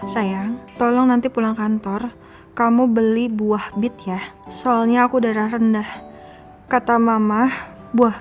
sayang tolong nanti pulang kantor kamu beli buah bit ya soalnya aku darah rendah kata mama buah